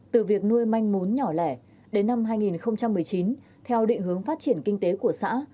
từ việc nuôi manh mún nhỏ lẻ đến năm hai nghìn một mươi chín theo định hướng phát triển kinh tế của xã